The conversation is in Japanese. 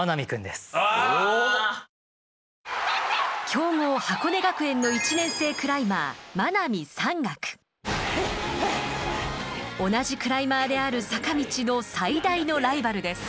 強豪箱根学園の１年生クライマー同じクライマーである坂道の最大のライバルです。